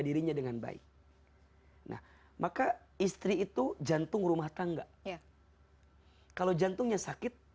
dirinya dengan baik nah maka istri itu jantung rumah tangga ya kalau jantungnya sakit